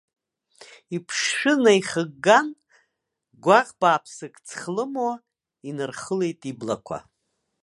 Иԥшшәы наихыгган, гәаӷ бааԥсык цхлымуа инархылеит иблақәа.